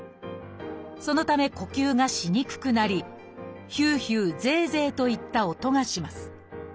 そのため呼吸がしにくくなり「ヒューヒュー」「ゼーゼー」といった音がします。